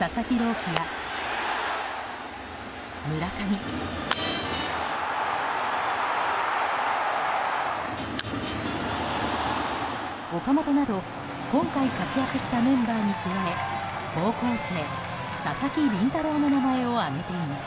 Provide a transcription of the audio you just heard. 希や村上、岡本など今回活躍したメンバーに加え高校生、佐々木麟太郎の名前を挙げています。